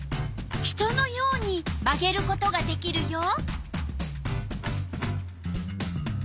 人のように曲げることができるよ。